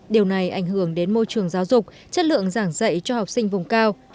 điều này ảnh hưởng đến môi trường giáo dục chất lượng giảng dạy cho học sinh vùng cao